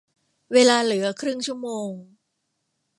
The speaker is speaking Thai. เวลาเหลือครึ่งชั่วโมง